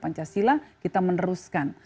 pancasila kita meneruskan